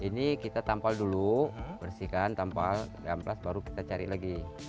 ini kita tampal dulu bersihkan tampal amplas baru kita cari lagi